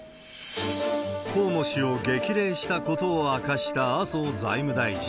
河野氏を激励したことを明かした麻生財務大臣。